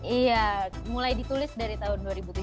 iya mulai ditulis dari tahun dua ribu tujuh belas